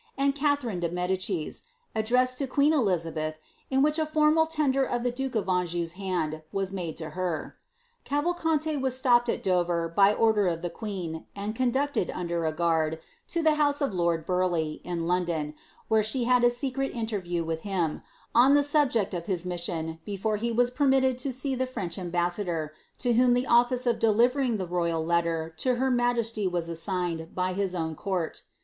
and Catherine de Medicis, ad dressed to queen Elinbeth, in which a formal tender of the duke of Anjou's hand was made to her. Cavalcanti was stopped at Dover by Older of the queen, and conducted, under a guard, to the house of loiti Barleigh« in London, where she had a secret interview with him, on the •object of his mission, before he was permitted to see the French am btsndor, to whom the office of delivering the royal letter to her majesty wu assigned by his own court.